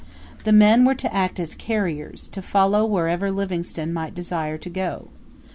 The men were to act as carriers, to follow wherever Livingstone might desire to go.